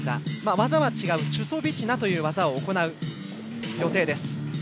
技は違うチュソビチナという技を行う予定です。